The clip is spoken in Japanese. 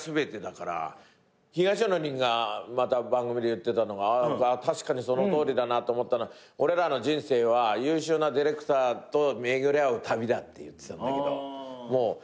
ひがしのりんが番組で言ってたのが確かにそのとおりだなと思ったのは「俺らの人生は優秀なディレクターと巡り会う旅だ」って言ってたんだけど。